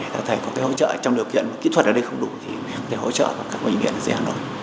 các thầy có hỗ trợ trong điều kiện kỹ thuật ở đây không đủ thì cũng có thể hỗ trợ các bệnh viện ở dưới hà nội